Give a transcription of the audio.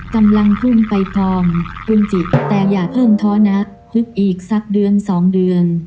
กำลังพุ่งไปกองทุนจิแต่อย่าเพิ่งท้อนะลึกอีกสักเดือนสองเดือน